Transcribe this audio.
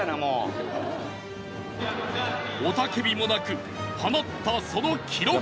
雄たけびもなく放ったその記録は。